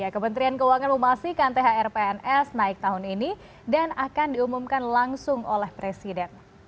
kementerian keuangan memastikan thr pns naik tahun ini dan akan diumumkan langsung oleh presiden